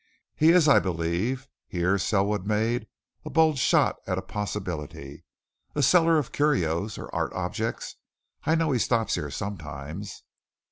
He is, I believe" here Selwood made a bold shot at a possibility "a seller of curios, or art objects. I know he stops here sometimes."